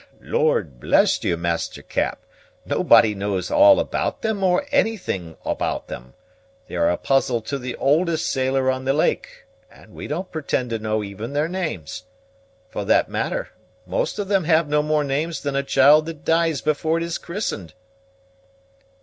"Lord bless you, Master Cap, nobody knows all about them or anything about them. They are a puzzle to the oldest sailor on the lake, and we don't pretend to know even their names. For that matter, most of them have no more names than a child that dies before it is christened."